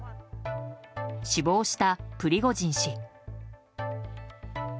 死亡した、プリゴジン氏。